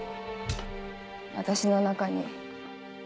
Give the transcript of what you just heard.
私の中に。